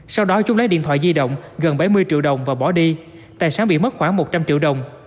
sau đó chúng lấy điện thoại di động gần bảy mươi triệu đồng và bỏ đi tài sản bị mất khoảng một trăm linh triệu đồng